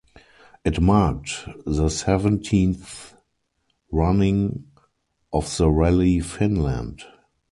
It marked the seventieth running of the Rally Finland.